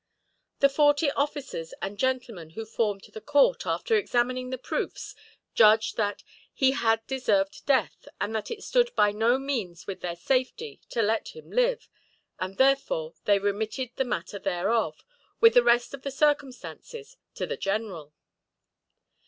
The forty officers and gentlemen who formed the court, after examining the proofs, judged that "he had deserved death, and that it stood by no means with their safety to let him live, and therefore they remitted the matter thereof, with the rest of the circumstances, to the general."